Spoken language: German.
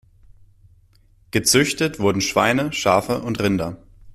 Gezüchtet wurden Schweine, Schafe und Rinder.